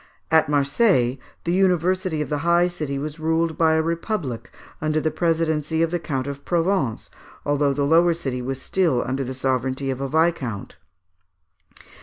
At Marseilles, the University of the high city was ruled by a republic under the presidency of the Count of Provence, although the lower city was still under the sovereignty of a viscount.